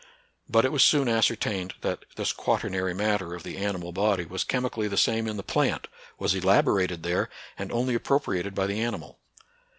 But it was soon ascertained that this quaternary matter of the animal body was chemically the same in the plant, was elaborated there, and only appropriated by the animal.